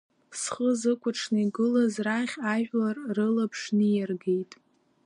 Зхы зыкәаҽны игылаз рахь ажәлар рылаԥш ниаргеит.